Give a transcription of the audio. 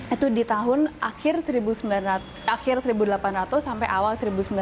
itu di tahun akhir seribu delapan ratus sampai awal seribu sembilan ratus sembilan